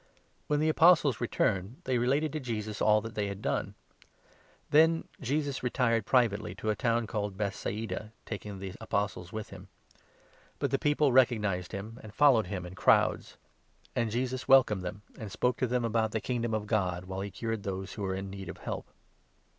The When the Apostles returned, they related 10 Return of the to Jesus all that they had done. Then Apostles. Jesus retired privately to a town called Bethsaida, taking the Apostles with him. But the people recognized him 1 1 and followed him in crowds ; and Jesus welcomed them and spoke to them about the Kingdom of God, while he cured those who were in need of help.